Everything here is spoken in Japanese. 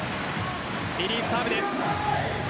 リリーフサーブです。